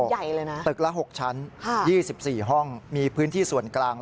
ใหญ่เลยนะตึกละ๖ชั้น๒๔ห้องมีพื้นที่ส่วนกลาง